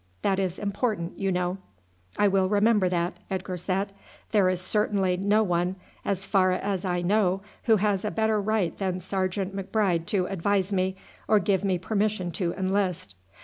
That is important, you know." "I will remember that," Edgar said. "There is certainly no one as far as I know who has a better right than Sergeant M'Bride to advise me, or give me permission to enlist."